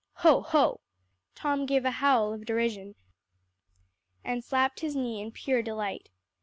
"Hoh, hoh!" Tom gave a howl of derision, and slapped his knee in pure delight.